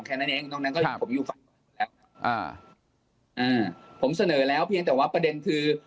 อ่ะผมเสนอแล้วเพียงแต่ว่าประเด็นคือ